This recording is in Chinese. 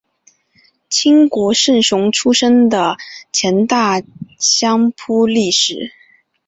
清国胜雄出身的前大相扑力士。